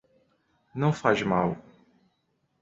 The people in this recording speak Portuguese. Não faz mal.